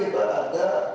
tadi kan kita ada